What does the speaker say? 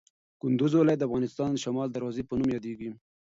کندوز ولایت د افغانستان د شمال د دروازې په نوم یادیږي.